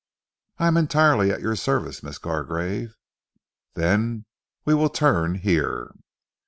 "I am entirely at your service, Miss Gargrave." "Then we will turn here."